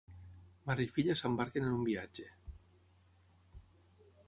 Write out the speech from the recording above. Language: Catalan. Mare i filla s'embarquen en un viatge.